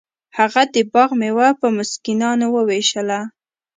هغه د باغ میوه په مسکینانو ویشله.